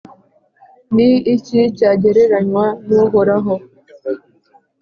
Ni iki cyagereranywa n’Uhoraho?